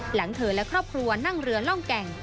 หลังเธอและครอบครัวนั่งเรือร่องแก่ง